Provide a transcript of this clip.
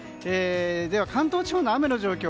では、関東地方の雨の状況